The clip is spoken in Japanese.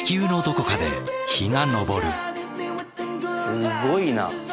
すごいな。